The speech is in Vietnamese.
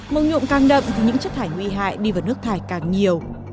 màu nhuộm càng đậm thì những chất thải nguy hại đi vào nước thải càng nhiều